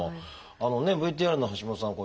あのねＶＴＲの橋下さん